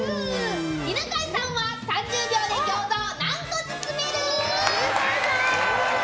犬飼さんは３０秒で餃子を何個包める？